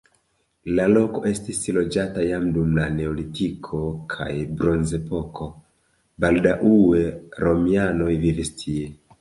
La loko estis loĝata jam dum la neolitiko kaj bronzepoko, baldaŭe romianoj vivis tie.